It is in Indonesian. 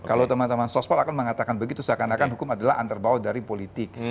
kalau teman teman sospol akan mengatakan begitu seakan akan hukum adalah antar bawah dari politik